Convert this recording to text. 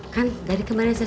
kan dari kemarin saya